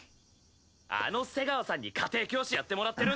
あの瀬川さんに家庭教師やってもらってるんだぞ。